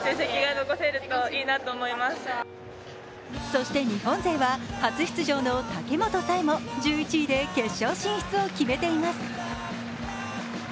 そして日本勢は初出場の武本も武本紗栄も１１位で決勝進出を決めています。